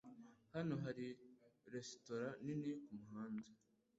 Hano hari resitora nini kumuhanda.